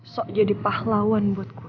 sok jadi pahlawan buat gue